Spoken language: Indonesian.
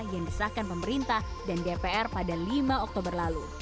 yang disahkan pemerintah dan dpr pada lima bulan